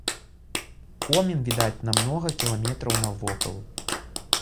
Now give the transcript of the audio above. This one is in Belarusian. Комін відаць на многа кіламетраў навокал.